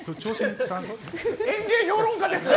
演芸評論家ですか。